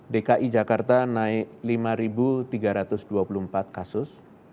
dki jakarta naik lima tiga ratus dua puluh empat kasus